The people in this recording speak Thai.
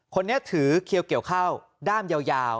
คนนี้ถือเขียวเกี่ยวเข้าด้ามยาว